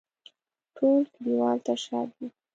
ټول کلیوال تر شا دي.